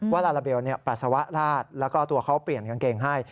ลาลาเบลปัสสาวะราดแล้วก็ตัวเขาเปลี่ยนกางเกงให้